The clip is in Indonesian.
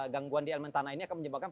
gangguan di elemen tanah ini akan menyebabkan